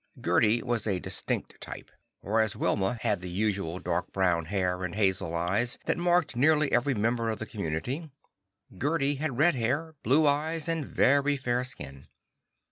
Gerdi was a distinct type. Whereas Wilma had the usual dark brown hair and hazel eyes that marked nearly every member of the community, Gerdi had red hair, blue eyes and very fair skin.